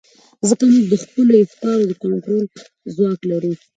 ځکه موږ د خپلو افکارو د کنټرول ځواک لرو.